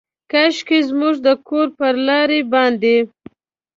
کاشکي زموږ د کور پر لاره باندې،